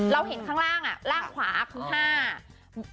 เราเห็นข้างล่างล่างขวาหากือ๕